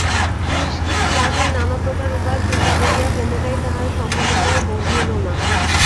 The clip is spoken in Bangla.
নিষ্কৃতিলাভের নানাপ্রকার উপায় চিন্তা করিয়া কোনোটাই তাহার সম্ভবপর বোধ হইল না।